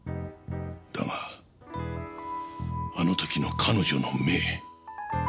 だがあの時の彼女の目。